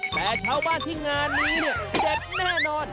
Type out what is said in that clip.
แต่ชาวบ้านที่งานนี้เนี่ยเด็ดแน่นอน